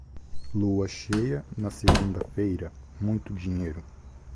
Lua cheia na segunda-feira, muito dinheiro.